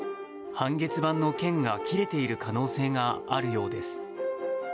半月板の腱が切れている可能性があるようです。